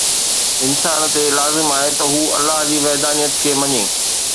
انسان تي لازم آهي ته هو الله جي وحدانيت کي مڃي